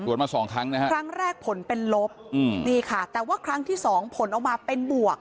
มาสองครั้งนะฮะครั้งแรกผลเป็นลบอืมนี่ค่ะแต่ว่าครั้งที่สองผลออกมาเป็นบวก